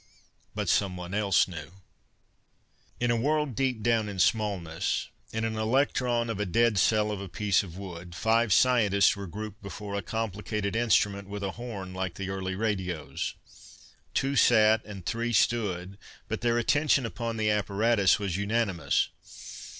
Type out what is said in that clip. But someone else knew. In a world deep down in Smallness, in an electron of a dead cell of a piece of wood, five scientists were grouped before a complicated instrument with a horn like the early radios. Two sat and three stood, but their attention upon the apparatus was unanimous.